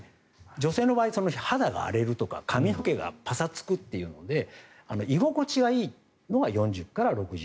女性の場合肌が荒れるとか髪の毛がパサつくというので居心地がいいのが４０から６０。